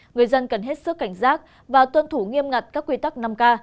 người dân cần hết sức cảnh giác và tuân thủ nghiêm ngặt các quy tắc năm k